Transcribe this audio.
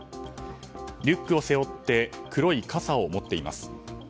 リュックを背負って黒い傘を持っています。